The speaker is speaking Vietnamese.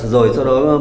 rồi sau đó